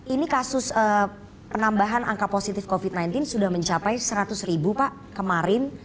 ini kasus penambahan angka positif covid sembilan belas sudah mencapai seratus ribu pak kemarin